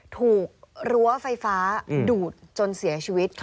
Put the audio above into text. รั้วไฟฟ้าดูดจนเสียชีวิต